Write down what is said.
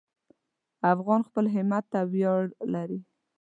افغان خپل همت ته ویاړ لري.